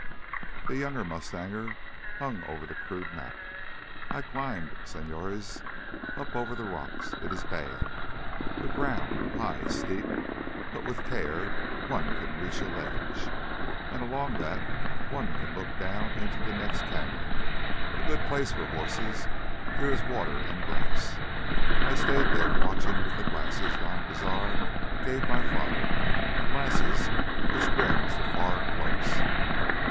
The younger mustanger hung over the crude map. "I climbed, señores, up over the rocks. It is bad, that ground, high, steep—but with care one can reach a ledge. And along that one can go to look down into the next canyon. A good place for horses—there is water and grass. I stayed there watching with the glasses Don Cazar gave my father, the glasses which bring the far close.